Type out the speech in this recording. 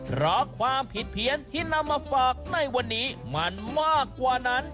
เพราะความผิดเพี้ยนที่นำมาฝากในวันนี้มันมากกว่านั้น